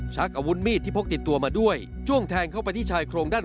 ชักอาวุธมีดที่พกติดตัวมาด้วยจ้วงแทงเข้าไปที่ชายโครงด้าน